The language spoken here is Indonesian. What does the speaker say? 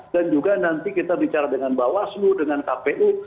dan juga nanti kita bicara dengan bawaslu dengan kpu